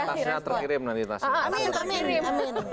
tasnya terkirim nanti amin amin